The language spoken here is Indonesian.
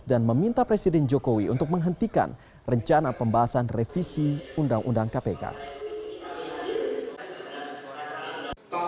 dan meminta presiden joko widodo untuk mencari penyelenggaraan